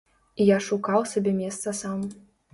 І я шукаў сабе месца сам.